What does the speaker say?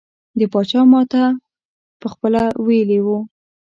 د پاچا ماته پخپله ویلي وو.